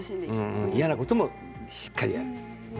嫌なこともしっかりやる。